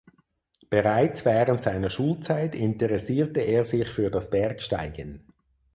Bereits während seiner Schulzeit interessierte er sich für das Bergsteigen.